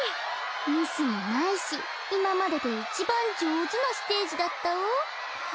ミスもないし今まででいちばん上手なステージだったお。